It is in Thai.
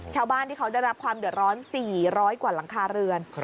ชาวบ้านที่เขาได้รับความเดือดร้อน๔๐๐กว่าหลังคาเรือน